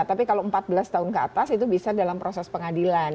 tapi kalau empat belas tahun ke atas itu bisa dalam proses pengadilan